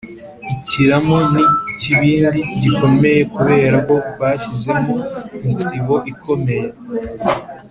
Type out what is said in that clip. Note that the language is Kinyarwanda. ikiramo ni ikibindi gikomeye kubera ko bashyizemo insibo ikomeye